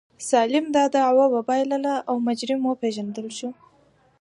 سلایم دا دعوه وبایلله او مجرم وپېژندل شو.